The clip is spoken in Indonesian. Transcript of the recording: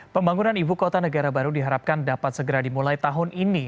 pembangunan ibu kota negara baru diharapkan dapat segera dimulai tahun ini